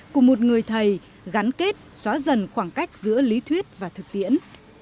của một người thầy gắn kết xóa dần khoảng cách giữa lý thuyết và thực tiễn